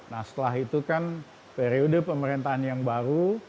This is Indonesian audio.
nah setelah itu kan periode pemerintahan yang baru